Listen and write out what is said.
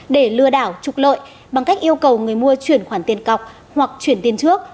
để lừa đảo trục lợi bằng cách yêu cầu người mua chuyển khoản tiền cọc hoặc chuyển tiền trước